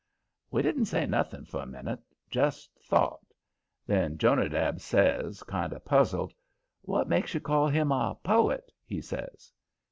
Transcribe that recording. We didn't say nothing for a minute just thought. Then Jonadab says, kind of puzzled: "What makes you call him a poet?" he says.